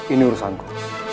ini urusan ku